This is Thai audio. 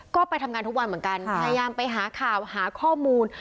ก็ไปทำงานทุกวันเหมือนกันพยายามไปหาข่าวหาข้อมูล